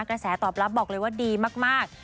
กระแสตอบรับบอกเลยว่าดีมาก